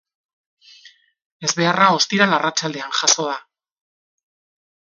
Ezbeharra ostiral arratsaldean jazo da.